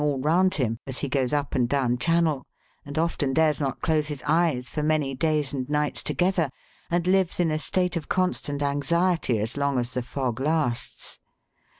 all round him as he goes up and down Channel, and often dares not close his eyes for many days and nights together, and lives in a state of constant anxiety as long as the fog lasts.